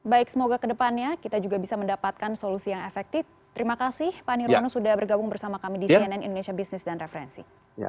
baik semoga kedepannya kita juga bisa mendapatkan solusi yang efektif terima kasih pak nirwono sudah bergabung bersama kami di cnn indonesia business dan referensi